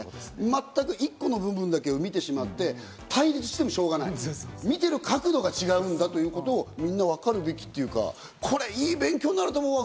まったく一個の部分だけを見てしまって、対立してもしょうがない、見ている角度が違うんだということをみんな分かるべきというか、これいい勉強になると思うな。